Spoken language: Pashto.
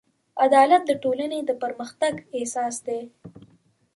عدالت د ټولنې د پرمختګ اساس دی.